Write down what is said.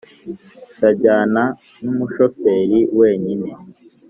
ndajyana numu shoferi wenyine"